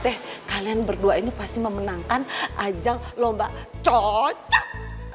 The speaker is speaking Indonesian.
eh kalian berdua ini pasti memenangkan ajang lomba cocok